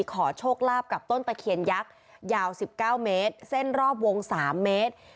ขอโชคลาภกับต้นตะเคียนยักษ์ยาว๑๙เมตรเส้นรอบวง๓เมตร